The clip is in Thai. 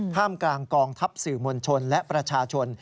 มกลางกองทัพสื่อมวลชนและประชาชน